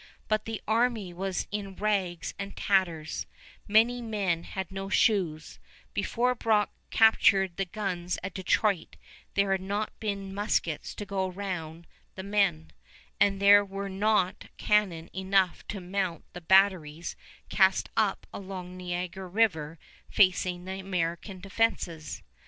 But the army was in rags and tatters; many men had no shoes; before Brock captured the guns at Detroit there had not been muskets to go round the men, and there were not cannon enough to mount the batteries cast up along Niagara River facing the American defenses.